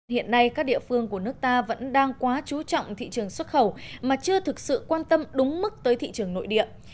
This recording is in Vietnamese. hiện nay các địa phương của nước ta vẫn đang quá chú trọng thị trường xuất khẩu mà chưa thực sự quan tâm đúng mức tới thị trường nội địa